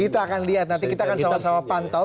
kita akan lihat nanti kita akan sama sama pantau